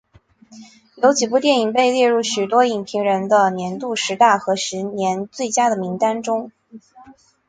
有几部电影被列入许多影评人的年度十大和十年最佳的名单里。